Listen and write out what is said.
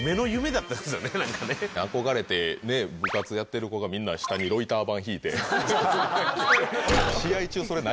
憧れて部活やってる子がみんな下にロイター板敷いて。